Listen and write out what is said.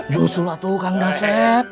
jusul lah tukang daset